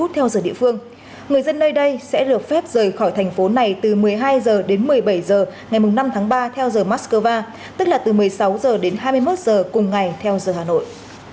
thời điểm ngừng bắn bắt đầu từ một mươi h ngày một mươi năm tháng ba theo giờ nga tức là một mươi bốn h cùng ngày theo giờ hà nội